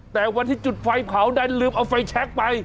แต่วันที่จุดไฟเผาดันลืมเอาไฟแชคไป